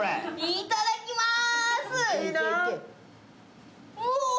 いただきまーす。